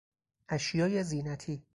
اشیای زینتی